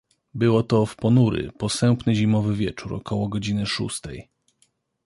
"Było to w ponury, posępny zimowy wieczór około godziny szóstej."